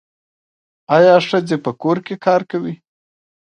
آیا ښځې په کور کې کار کوي؟